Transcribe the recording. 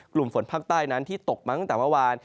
กลุ่มฝนภาคใต้นั้นที่ตกมาตั้งแต่เมื่อวาน